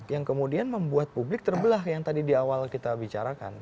yang kemudian membuat publik terbelah yang tadi di awal kita bicarakan